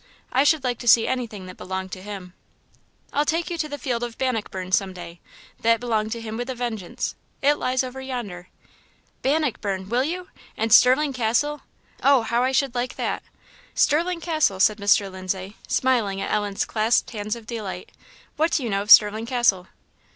"I should like to see anything that belonged to him." "I'll take you to the field of Bannockburn some day; that belonged to him with a vengeance. It lies over yonder." "Bannockburn! will you? and Stirling castle! Oh, how I should like that!" "Stirling castle," said Mr. Lindsay, smiling at Ellen's clasped hands of delight; "what do you know of Stirling castle?"